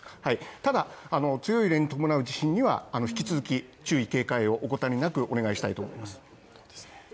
ただ、強い揺れに伴う地震には引き続き注意・警戒を怠りなくお願いしたいと思います。